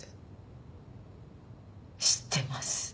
知ってます。